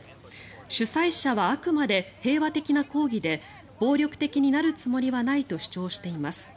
主催者はあくまで平和的な抗議で暴力的になるつもりはないと主張しています。